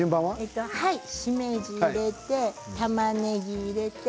しめじ入れてたまねぎ入れて。